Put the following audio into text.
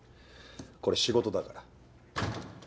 これ仕事だから。